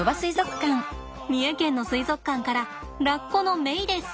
三重県の水族館からラッコのメイです。